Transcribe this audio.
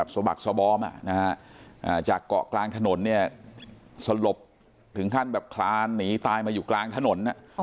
สบักสบอมจากเกาะกลางถนนเนี่ยสลบถึงขั้นแบบคลานหนีตายมาอยู่กลางถนน